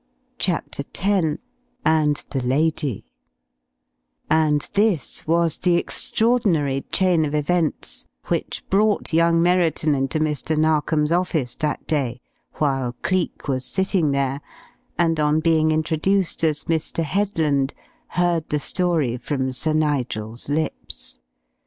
CHAPTER X AND THE LADY And this was the extraordinary chain of events which brought young Merriton into Mr. Narkom's office that day while Cleek was sitting there, and on being introduced as "Mr. Headland" heard the story from Sir Nigel's lips.